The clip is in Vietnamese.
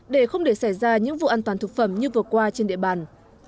để không để xảy ra những vụ an toàn thực phẩm như vừa qua trên địa bàn